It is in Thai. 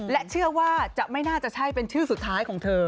และเชื่อว่าจะไม่น่าจะใช่เป็นชื่อสุดท้ายของเธอ